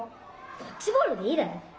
ドッジボールでいいだろ。